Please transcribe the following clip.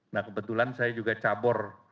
nah kebetulan saya juga cabur